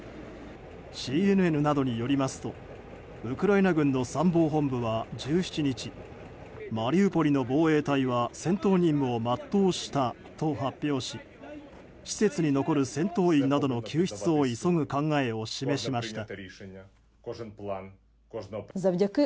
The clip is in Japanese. ＣＮＮなどによりますとウクライナ軍の参謀本部は１７日、マリウポリの防衛隊は戦闘任務を全うしたと発表し施設に残る戦闘員などの救出を急ぐ考えを示しました。